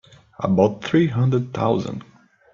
About three hundred thousand.